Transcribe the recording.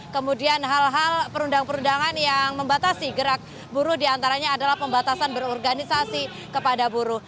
kemudian hal hal perundang perundangan yang membatasi gerak buruh diantaranya adalah pembatasan berorganisasi kepada buruh